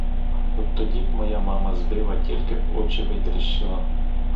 От тоді б моя мама з дива тільки б очі витріщила!